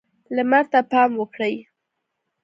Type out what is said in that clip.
لمر ته پام وکړئ.